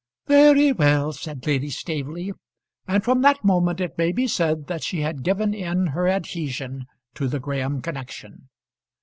"Very well," said Lady Staveley; and from that moment it may be said that she had given in her adhesion to the Graham connection.